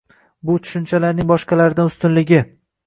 Bu tushunchalarning boshqalaridan ustunligi